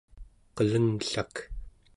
qelengllak